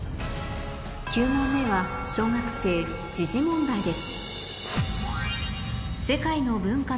９問目は小学生時事問題です